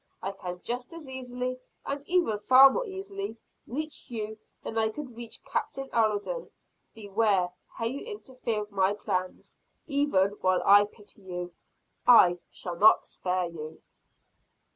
I can just as easily, and even far more easily, reach you than I could reach Captain Alden. Beware how you interfere with my plans. Even while I pity you, I shall not spare you!"